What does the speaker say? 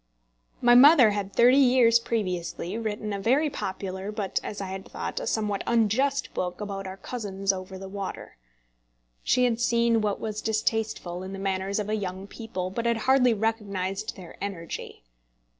My mother had thirty years previously written a very popular, but, as I had thought, a somewhat unjust book about our cousins over the water. She had seen what was distasteful in the manners of a young people, but had hardly recognised their energy.